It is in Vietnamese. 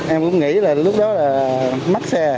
em cũng nghĩ lúc đó là mắc xe